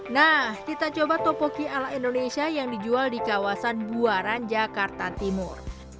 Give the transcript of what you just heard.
nah kita coba topoki ala indonesia yang dijual di kawasan buaran jakarta timur